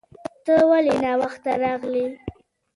ته ولې ناوخته راغلې